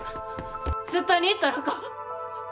絶対に行ったらあかん！